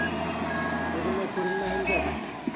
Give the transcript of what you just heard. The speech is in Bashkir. Күҙемә күренмәһендәр!